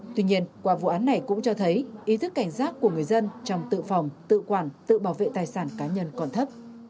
tuy nhiên qua vụ án này cũng cho thấy ý thức cảnh giác của người dân trong tự phòng tự quản tự bảo vệ tài sản cá nhân còn thấp